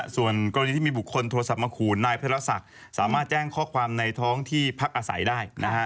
ส่วนกรณีที่มีบุคคลโทรศัพท์มาขู่นายพระศักดิ์สามารถแจ้งข้อความในท้องที่พักอาศัยได้